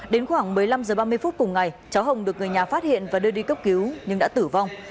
đến khoảng một mươi năm h ba mươi phút cùng ngày cháu hồng được người nhà phát hiện và đưa đi cấp cứu nhưng đã tử vong